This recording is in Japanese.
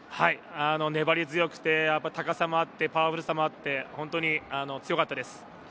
粘り強くて、高さもあって、パワフルさもあって、本当に強かったです。